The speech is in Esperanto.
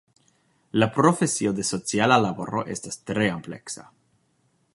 La profesio de sociala laboro estas tre ampleksa.